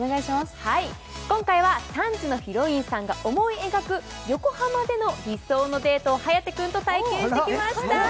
今回は、３時のヒロインさんが思い描く横浜での理想のデートを颯君と体験してきました。